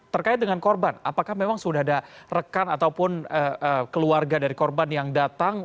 terkait dengan korban apakah memang sudah ada rekan ataupun keluarga dari korban yang datang